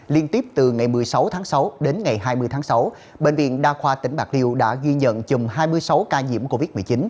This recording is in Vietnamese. liên tiếp từ ngày một mươi sáu tháng sáu đến ngày hai mươi tháng sáu bệnh viện đa khoa tỉnh bạc liêu đã ghi nhận chùm hai mươi sáu ca nhiễm covid một mươi chín